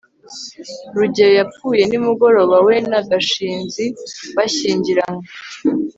rugeyo yapfuye nimugoroba we na gashinzi bashyingiranywe